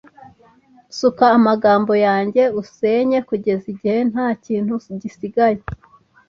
Suka amagambo yanjye unsenye kugeza igihe nta kintu gisigaye